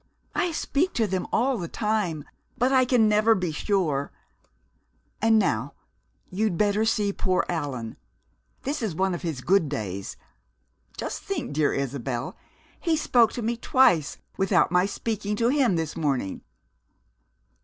I speak to them all the time, but I never can be sure.... And now you'd better see poor Allan. This is one of his good days. Just think, dear Isabel, he spoke to me twice without my speaking to him this morning!"